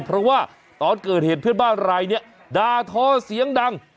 เพราะว่าตอนเกิดเหตุเพื่อนบ้านรายนี้ด่าทอเสียงดัง